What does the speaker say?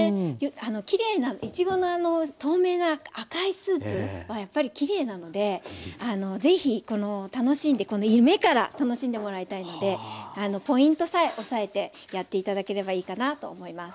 きれいないちごのあの透明な赤いスープはやっぱりきれいなのでぜひこの楽しんでこの目から楽しんでもらいたいのでポイントさえ押さえてやって頂ければいいかなと思います。